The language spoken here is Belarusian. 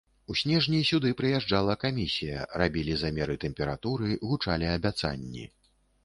У снежні сюды прыязджала камісія, рабілі замеры тэмпературы, гучалі абяцанні.